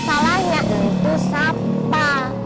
masalahnya itu sapa